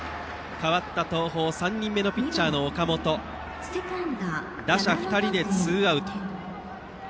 代わった東邦３人目のピッチャーの岡本打者２人でツーアウト。